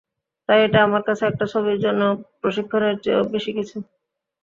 তাই এটা আমার কাছে একটা ছবির জন্য প্রশিক্ষণের চেয়েও বেশি কিছু।